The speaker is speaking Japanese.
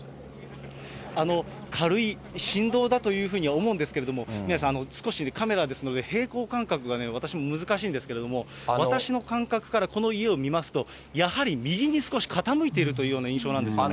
軽い振動だというふうには思うんですけれども、宮根さん、少し、カメラですので、平衡感覚が私も難しいんですけれども、私の感覚からこの家を見ますと、やはり右に少し傾いているというような印象なんですよね。